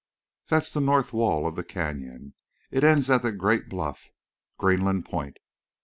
That's the north wall of the Canyon. It ends at the great bluff—Greenland Point.